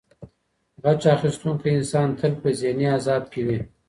غچ اخیستونکی انسان تل په ذهني عذاب کي وي.